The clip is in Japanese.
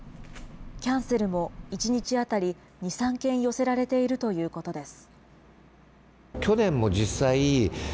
キャンセルも１日当たり２、３件寄せられているということです。